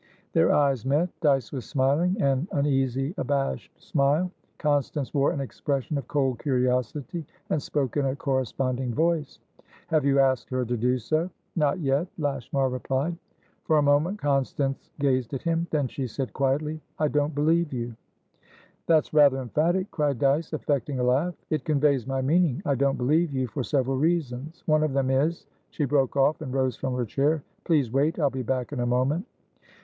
Their eyes met, Dyce was smiling, an uneasy, abashed smile. Constance wore an expression of cold curiosity, and spoke in a corresponding voice. "Have you asked her to do so?" "Not yet," Lashmar replied. For a moment, Constance gazed at him; then she said, quietly: "I don't believe you." "That's rather emphatic," cried Dyce, affecting a laugh. "It conveys my meaning. I don't believe you, for several reasons. One of them is" She broke off, and rose from her chair. "Please wait; I will be back in a moment."